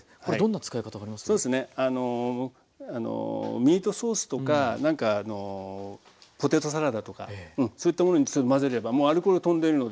ミートソースとかなんかポテトサラダとかそういったものに混ぜればもうアルコールとんでるので。